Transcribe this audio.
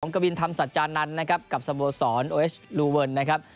กวินทำศาจรรย์นั้นครับกับสโมสรโอเอสรูเวิร์นนะครับ